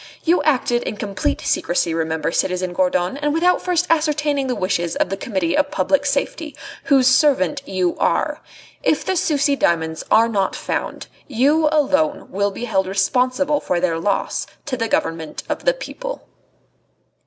You acted in complete secrecy, remember, citizen Gourdon, and without first ascertaining the wishes of the Committee of Public Safety, whose servant you are. If the Sucy diamonds are not found, you alone will be held responsible for their loss to the Government of the People."